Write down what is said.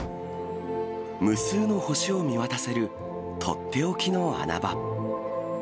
無数の星を見渡せる取って置きの穴場。